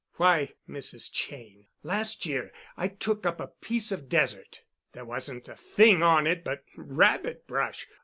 Why, Mrs. Cheyne, last year I took up a piece of desert. There wasn't a thing on it but rabbit brush.